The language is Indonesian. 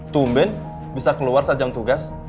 tumben bisa keluar saat jam tugas